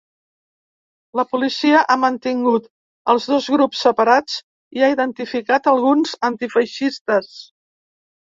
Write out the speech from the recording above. La policia ha mantingut els dos grups separats i ha identificat alguns antifeixistes.